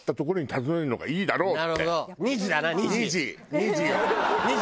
２時！